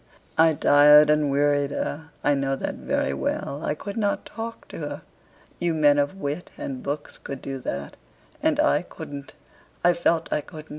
I tired and wearied her, I know that very well. I could not talk to her. You men of wit and books could do that, and I couldn't I felt I couldn't.